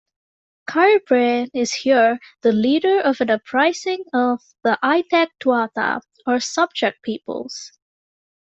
Cairbre is here the leader of an uprising of the "aithech-tuatha" or "subject peoples".